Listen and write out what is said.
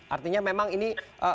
artinya memang ini